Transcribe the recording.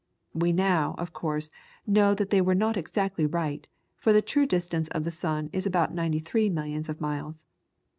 We now, of course, know that they were not exactly right, for the true distance of the sun is about 93 millions of miles.